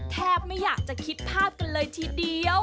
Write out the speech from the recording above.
แทบไม่อยากจะคิดภาพกันเลยทีเดียว